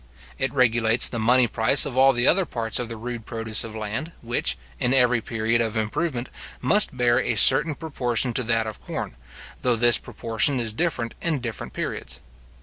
It regulates the money price of all the other parts of the rude produce of land, which, in every period of improvement, must bear a certain proportion to that of corn, though this proportion is different in different periods.